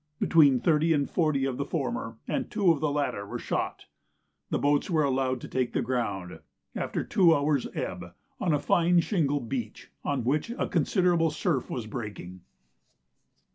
Between thirty and forty of the former and two of the latter were shot. The boats were allowed to take the ground, after two hours' ebb, on a fine shingle beach, on which a considerable surf was breaking.